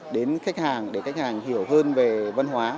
đến khách hàng để khách hàng hiểu hơn về văn hóa